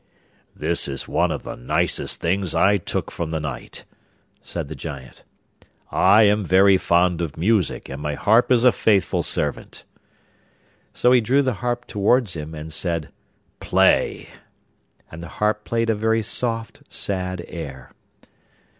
'This is one of the nicest things I took from the knight,' said the Giant. 'I am very fond of music, and my harp is a faithful servant.' So he drew the harp towards him, and said: 'Play!' And the harp played a very soft, sad air.